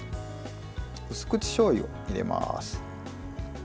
うす口しょうゆを入れます。